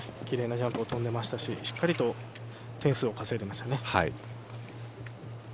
きれいなジャンプを跳んでいましたししっかり点数を稼いでいました。